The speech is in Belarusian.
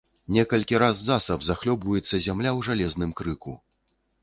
Некалькі раз засаб захлёбваецца зямля ў жалезным крыку.